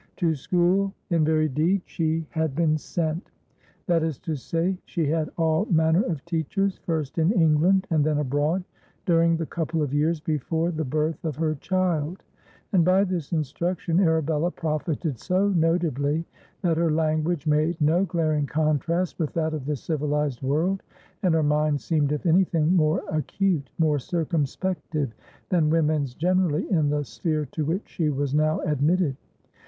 To school, in very deed, she had been sent; that is to say, she had all manner of teachers, first in England and then abroad, during the couple of years before the birth of her child; and by this instruction Arabella profited so notably that her language made no glaring contrast with that of the civilised world, and her mind seemed if anything more acute, more circumspective, than women's generally in the sphere to which she was now admitted.